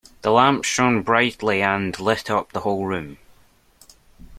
The lamp shone brightly and lit up the whole room.